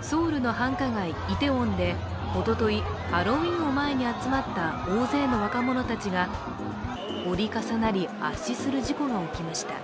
ソウルの繁華街イテウォンでおととい、ハロウィーンを前に集まった大勢の若者たちが折り重なり圧死する事故が起きました。